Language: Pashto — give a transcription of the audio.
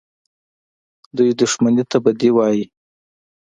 دوى دښمني ته بدي وايي.